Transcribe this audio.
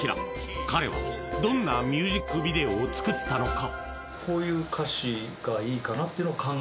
彼はどんなミュージックビデオを作ったのか？